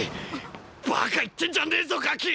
バカ言ってんじゃねぇぞガキ！！